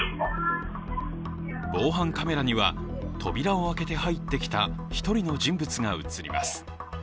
防犯カメラには扉を開けて入ってきた１人の人物が映ります。